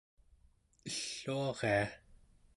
elluaria